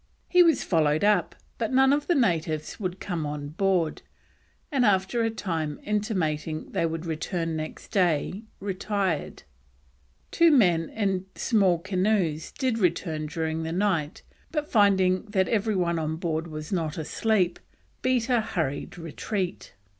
He was followed up, but none of the natives would come on board, and after a time intimating they would return next day, retired. Two men in small canoes did return during the night, but finding that every one on board was not asleep, beat a hurried retreat.